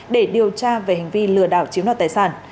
để điều tra về hành vi lừa đảo chiếu nọ tài sản